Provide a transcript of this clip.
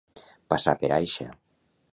Passar per aixa.